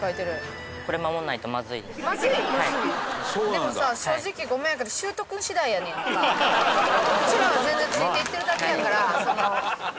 でもさ正直うちらは全然ついていってるだけやから。